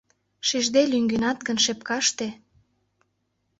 Шижде лӱҥгенат гын шепкаште